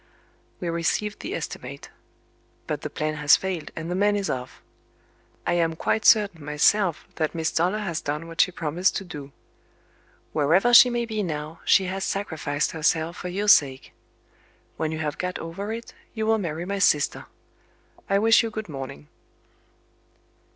We received the estimate. But the plan has failed, and the man is off. I am quite certain myself that Miss Toller has done what she promised to do. Wherever she may be now, she has sacrificed herself for your sake. When you have got over it, you will marry my sister. I wish you good morning."